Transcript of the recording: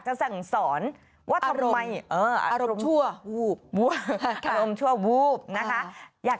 สั่งสอนว่าทำไมอารมณ์ชั่ววูบอารมณ์ชั่ววูบนะคะ